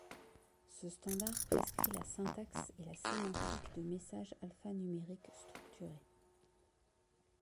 Ce standard prescrit la syntaxe et la sémantique de messages alphanumériques structurés.